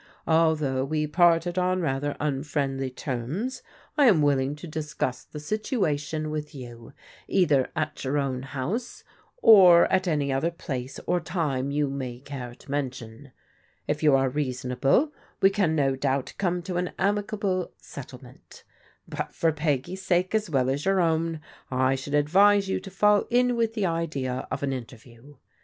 Although we parted on rather unfriendly terms, I am willing to discuss the situation with you either at your own house or at any other place or time you may care to mention. If you are reasonable we can no doubt come to an amicable settlement. But for Peggy's sake, as well as your own, I should advise you to fall in with the idea of an interview.